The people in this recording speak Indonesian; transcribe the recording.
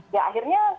ya akhirnya kalau